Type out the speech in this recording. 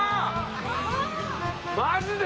マジで？